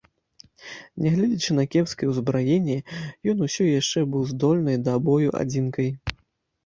Нягледзячы на кепскае ўзбраенне, ён усё яшчэ быў здольнай да бою адзінкай.